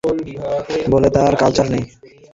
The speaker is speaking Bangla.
বলে, তার কালচার নেই।